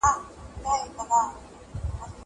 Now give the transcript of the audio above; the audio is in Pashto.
په نکاح کي څوک افضليت لري؟